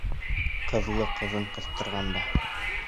Ҡыҙлы ҡыҙын ҡыҫтырғанда